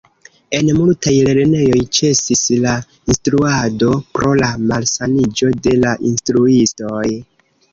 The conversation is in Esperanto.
En multaj lernejoj ĉesis la instruado pro la malsaniĝo de la instruistoj.